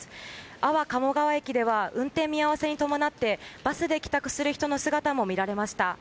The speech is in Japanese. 安房鴨川駅では運転見合わせに伴ってバスで帰宅する人の姿も見られました。